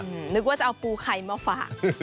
นึกว่าจะเอาปูไข่มาฝาก